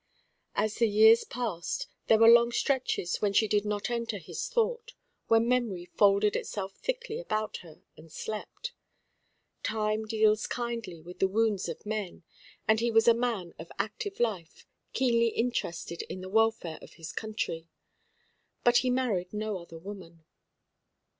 As the years passed, there were long stretches when she did not enter his thought, when memory folded itself thickly about her and slept. Time deals kindly with the wounds of men. And he was a man of active life, keenly interested in the welfare of his country. But he married no other woman.